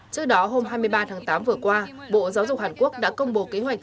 trước đó hôm hai mươi ba tháng tám vừa qua bộ giáo dục hàn quốc đã công bố kế hoạch